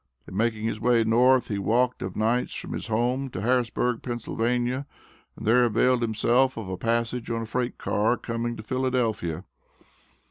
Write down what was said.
In making his way North he walked of nights from his home to Harrisburg, Pa., and there availed himself of a passage on a freight car coming to Philadelphia.